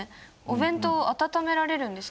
お弁当温められるんですか？